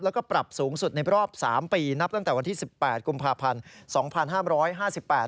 แล้วก็ปรับสูงสุดในรอบ๓ปีนับตั้งแต่วันที่๑๘กุมภาพันธ์๒๕๕๘